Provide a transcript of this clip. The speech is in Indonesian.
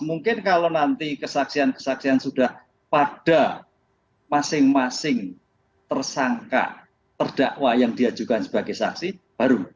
mungkin kalau nanti kesaksian kesaksian sudah pada masing masing tersangka terdakwa yang diajukan sebagai saksi baru